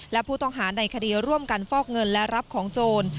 และผู้ต้องหาในคดีร่วมกันฟอกเงินและรับของโจร